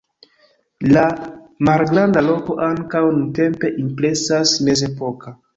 La malgranda loko ankaŭ nuntempe impresas mezepoka.